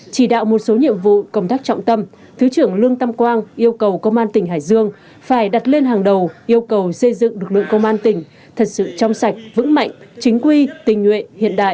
chỉ đạo một số nhiệm vụ công tác trọng tâm thứ trưởng lương tâm quang yêu cầu công an tỉnh hải dương phải đặt lên hàng đầu yêu cầu xây dựng lực lượng công an tỉnh thật sự trong sạch vững mạnh chính quy tình nguyện hiện đại